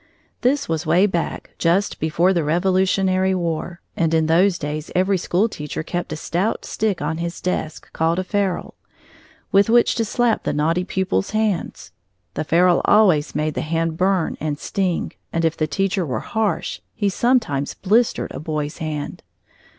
This was way back, just before the Revolutionary War, and in those days every school teacher kept a stout stick on his desk, called a ferule, with which to slap the naughty pupils' hands. The ferule always made the hand burn and sting, and if the teacher were harsh, he sometimes blistered a boy's hand.